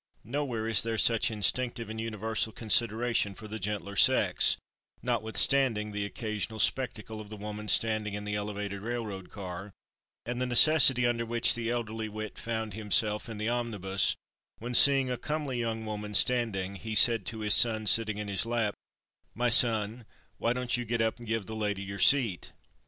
Nowhere is there such instinctive and universal consideration for the gentler sex, notwithstanding the occasional spectacle of the woman standing in the elevated railroad car, and the necessity under which the elderly wit found himself in the omnibus, when, seeing a comely young woman standing, he said to his son sitting in his lap, "My son, why don't you get up and give the lady your seat?"